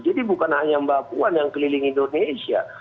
jadi bukan hanya mbak puan yang keliling indonesia